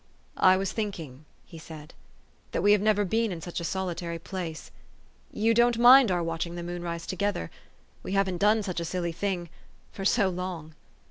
44 1 was thinking," he said, 44 that we have never 400 THE STORY OF AVIS. been in such a solitary place. You don't mind our watching the moonrise together? We haven't done such a silly thing for so long